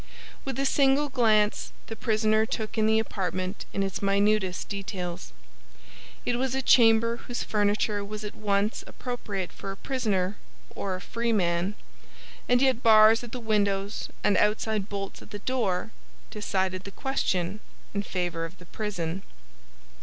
With a single glance the prisoner took in the apartment in its minutest details. It was a chamber whose furniture was at once appropriate for a prisoner or a free man; and yet bars at the windows and outside bolts at the door decided the question in favor of the prison.